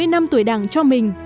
bảy mươi năm tuổi đảng cho mình